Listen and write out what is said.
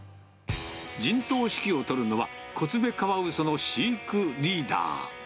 陣頭指揮を執るのは、コツメカワウソの飼育リーダー。